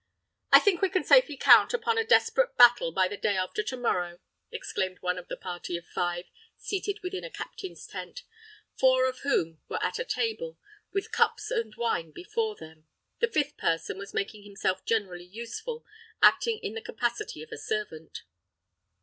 "I think we can safely count upon a desperate battle by the day after to morrow," exclaimed one of a party of five, seated within a captain's tent—four of whom were at a table, with cups and wine before them. The fifth person was making himself generally useful, acting in the capacity of a servant.